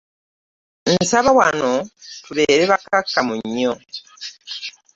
Nsaba wano tubeere bakkakkamu nnyo.